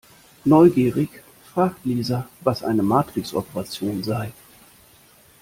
Neugierig fragt Lisa, was eine Matrixoperation sei.